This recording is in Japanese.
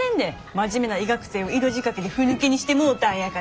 真面目な医学生を色仕掛けでふぬけにしてもうたんやから。